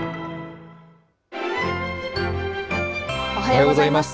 おはようございます。